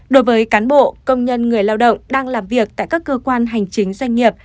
đối với cán bộ công nhân người lao động đang làm việc tại các cơ quan hành chính doanh nghiệp